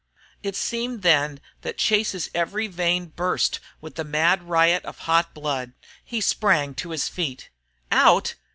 It seemed then that Chase's every vein burst with the mad riot of hot blood. He sprang to his feet. "Out?